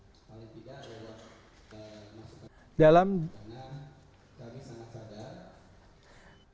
paling tidak adalah masukkan ke dalam karena kami sangat sadar